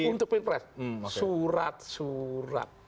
untuk pilpres surat surat